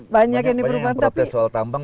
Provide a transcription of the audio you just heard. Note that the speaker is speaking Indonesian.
banyak yang diperluan tapi